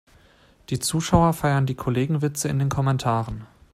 Die Zuschauer feiern die Kollegenwitze in den Kommentaren.